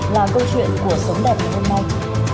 là câu chuyện của sống đẹp hôm nay